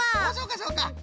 おっそうかそうか。